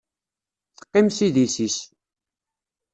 Teqqim s idis-is.